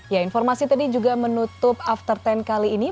ya informasi tadi juga menutup after sepuluh kali ini